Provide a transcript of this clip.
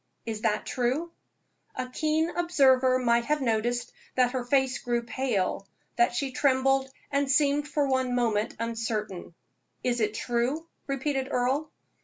Is that true?" A keen observer might have noticed that her face grew pale that she trembled and seemed for one moment uncertain. "Is it true?" repeated Earle.